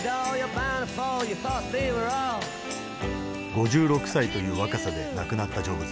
５６歳という若さで亡くなったジョブズ。